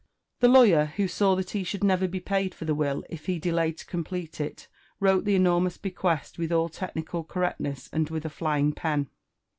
The lawyer, who saw that he should never be paid for the will if he delayed to complete it, wrote the enormous bequest with all technical correctness and with a (lying pen.